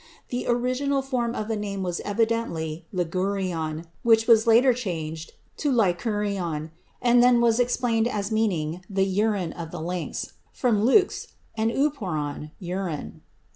The original form of the name was evidently ligurion, which was later changed to lyncurion, and was then explained as meaning the urine of the lynx (from λύγξ, and οὖρον, urine).